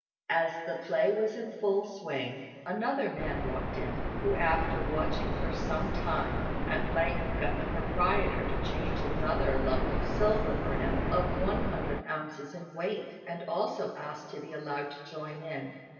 As the play was in full swing another man walked in, who after watching for some time at length got the proprietor to change another lump of silver for him of one hundred ounces in weight, and also asked to be allowed to join.